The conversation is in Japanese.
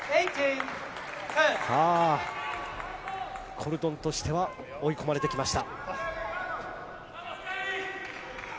コルドンとしては追い込まれてきました。